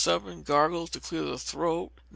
7, gargle to clear the throat, No.